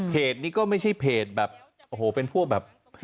นี้ก็ไม่ใช่เพจแบบโอ้โหเป็นพวกแบบ